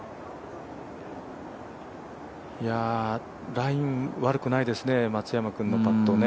ライン悪くないですね、松山君のパットね。